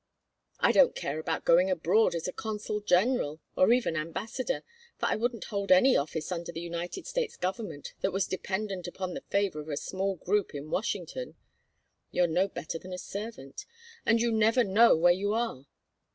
I don't care about going abroad as a Consul General, or even Ambassador, for I wouldn't hold any office under the United States government that was dependent upon the favor of a small group in Washington. You're no better than a servant, and you never know where you are.